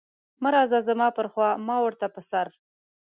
مه راځه زما پر خوا ما ورته په سر.